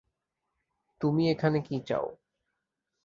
তুমি এখানে কী চাও?